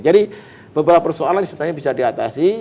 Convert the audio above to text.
jadi beberapa persoalan sebenarnya bisa diatasi